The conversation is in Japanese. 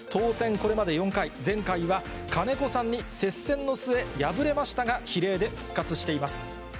これまで４回、前回は金子さんに接戦の末、敗れましたが、比例で復活しています。